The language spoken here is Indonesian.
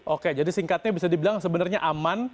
oke jadi singkatnya bisa dibilang sebenarnya aman